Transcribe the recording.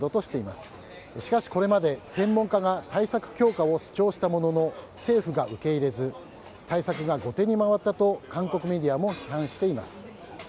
しかし、これまで専門家が対策強化を主張したものの政府が受け入れず対策が後手に回ったと韓国メディアも批判しています。